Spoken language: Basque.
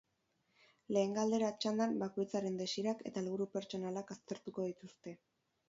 Lehen galdera txandan bakoitzaren desirak eta helburu pertsonalak aztertuko dituzte.